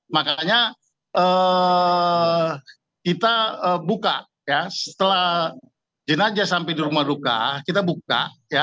makanya kita buka setelah jenajah sampai di rumah duka kita buka